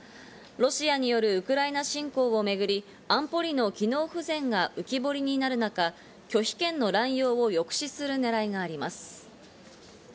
ロシアによるウクライナ侵攻をめぐり安保理の機能不全が浮き彫りになる中、拒否権の乱用を抑止するねらいがあります。